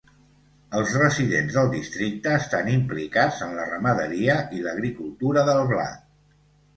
Els residents del districte estan implicats en la ramaderia i l'agricultura del blat.